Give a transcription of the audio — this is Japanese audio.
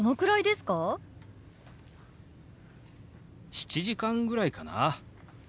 ７時間ぐらいかな。